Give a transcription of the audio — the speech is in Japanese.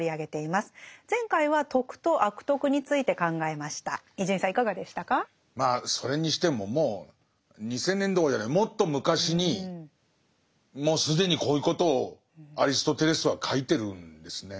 まあそれにしてももう２，０００年どころじゃないもっと昔にもう既にこういうことをアリストテレスは書いてるんですね。